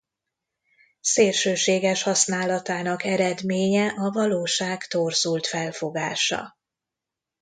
Szélsőséges használatának eredménye a valóság torzult felfogása.